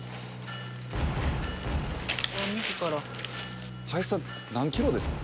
自ら林さん何キロですか？